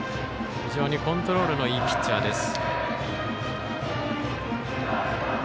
非常にコントロールのいいピッチャーです。